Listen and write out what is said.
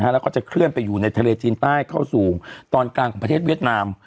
แล้วก็จะเคลื่อนไปอยู่ในทะเลจีนใต้เข้าสู่ตอนกลางของประเทศเวียดนาม